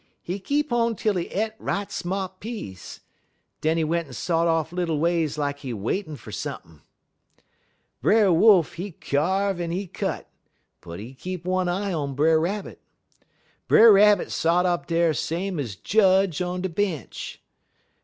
He keep on tel he e't right smart piece. Den he went'n sot off little ways like he waitin' fer sump'n'. "Brer Wolf, he kyarve un he cut, but he keep one eye on Brer Rabbit. Brer Rabbit sot up dar same ez Judge on de bench.